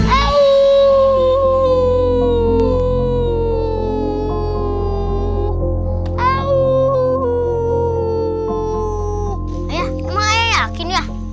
ayah emang ayah yakin ya